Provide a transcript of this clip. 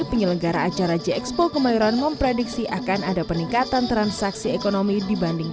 penyelenggara acara j expo kemayoran memprediksi akan ada peningkatan transaksi ekonomi dibanding